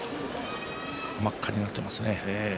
真っ赤になっていますね。